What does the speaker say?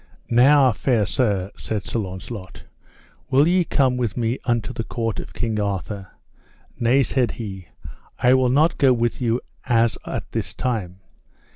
Now fair sir, said Sir Launcelot, will ye come with me unto the court of King Arthur? Nay, said he, I will not go with you as at this time.